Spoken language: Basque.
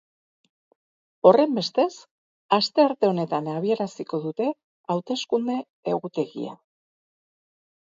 Horrenbestez, astearte honetan abiaraziko dute hauteskunde-egutegia.